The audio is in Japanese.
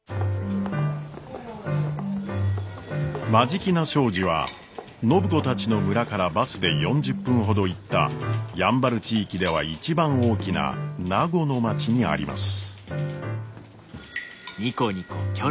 眞境名商事は暢子たちの村からバスで４０分ほど行ったやんばる地域では一番大きな名護の町にあります。